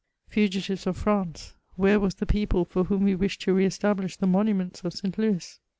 Fugitives of France, where was the people for whom we wished to re establish the monuments of Saint Louis